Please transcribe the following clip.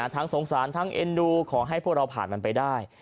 สงสารทั้งเอ็นดูขอให้พวกเราผ่านมันไปได้